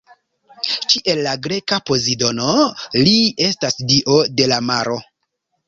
Kiel la greka Pozidono, li estas dio de la maro.